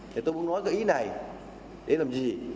thì tôi muốn nói cái ý này để làm gì